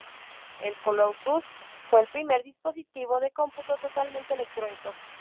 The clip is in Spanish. El Colossus fue el primer dispositivo de cómputo totalmente electrónico.